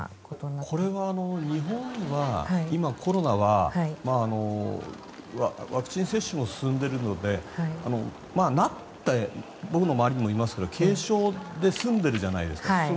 これは日本は今、コロナはワクチン接種も進んでいるのでなった人は僕の周りにもいますけど軽症で済んでるじゃないですか。